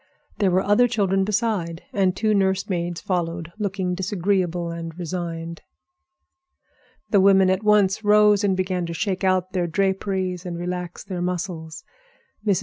There were other children beside, and two nurse maids followed, looking disagreeable and resigned. The women at once rose and began to shake out their draperies and relax their muscles. Mrs.